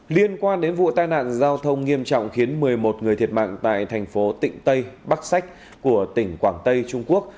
liên quan đến vụ tai nạn giao thông nghiêm trọng khiến một mươi một người thiệt mạng tại thành phố tịnh tây bắc sách của tỉnh quảng tây trung quốc